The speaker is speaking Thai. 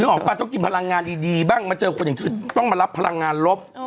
ออกป่ะต้องกินพลังงานดีบ้างมาเจอคนอย่างที่ต้องมารับพลังงานลบ